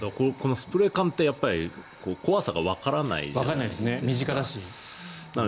スプレー缶って怖さがわからないですから。